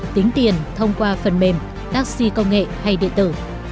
tính tiền thông qua phần mềm taxi công nghệ hay điện tử